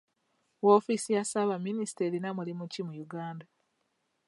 Woofiisi ya ssaabaminisita erina mulimu ki mu Uganda?